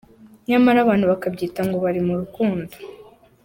Nyamara abantu bakabyita ngo "bari mu rukundo".